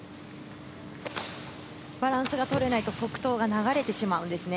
バランスが取れないと足刀が流れてしまうんですね。